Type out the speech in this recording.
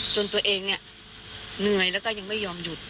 จนตัวเองเนี่ยเหนื่อยแล้วก็ยังไม่ยอมหยุด